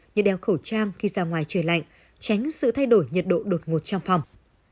như đeo khẩu trang khi ra ngoài trời lạnh tránh sự thay đổi nhiệt độ đột ngột trong phòng